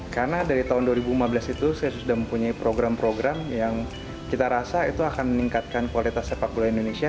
karena dari tahun dua ribu lima belas itu saya sudah mempunyai program program yang kita rasa itu akan meningkatkan kualitas sepak bola indonesia